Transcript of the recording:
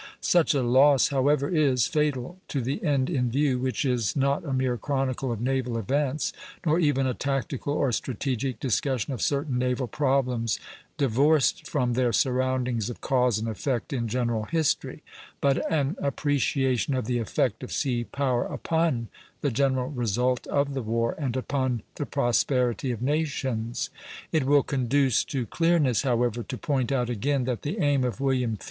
Such a loss, however, is fatal to the end in view, which is not a mere chronicle of naval events, nor even a tactical or strategic discussion of certain naval problems divorced from their surroundings of cause and effect in general history, but an appreciation of the effect of sea power upon the general result of the war and upon the prosperity of nations. It will conduce to clearness, however, to point out again that the aim of William III.